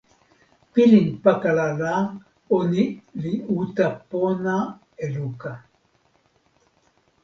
pilin pakala la, ona li uta pona e luka.